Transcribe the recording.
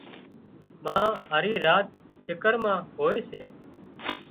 ما هارِي راچ فڪر مان هوئي سي